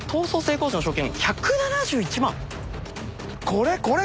これこれ。